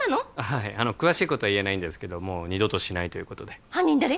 はい詳しいことは言えないんですけどもう二度としないということで犯人誰？